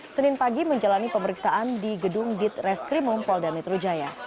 senin pagi menjalani pemeriksaan di gedung ditreskrimum polda metro jaya